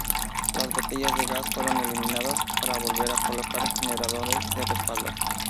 Las botellas de gas fueron eliminadas para volver a colocar generadores de respaldo.